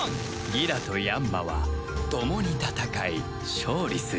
ギラとヤンマは共に戦い勝利する